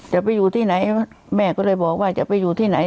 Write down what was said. จะไปอยู่ที่ไหนแม่ก็เลยบอกว่าจะไปอยู่ที่ไหน